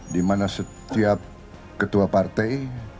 dimana setiap ketua partai